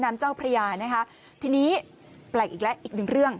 น้ำเจ้าพระยานะคะทีนี้แปลกอีกแล้วอีกหนึ่งเรื่อง